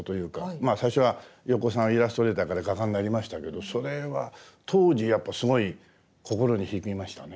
まあ最初は横尾さんはイラストレーターから画家になりましたけどそれは当時やっぱすごい心に響きましたね。